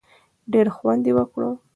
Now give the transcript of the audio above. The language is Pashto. ډېر خوند یې وکړ.